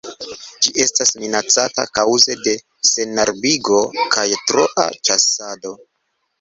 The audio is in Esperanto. Ĝi estas minacata kaŭze de senarbarigo kaj troa ĉasado.